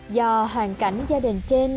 do hoàn cảnh gia đình trên